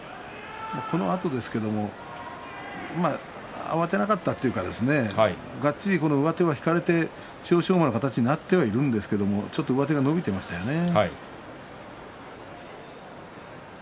このあとですけれど慌てなかったというかがっちり上手を引かれて千代翔馬の形にはなっているんですけれどちょっと上手が伸びていましたね。